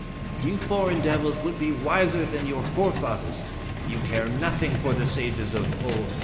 " "You foreign devils would be wiser than your forefathers. You care nothing for the sages of old.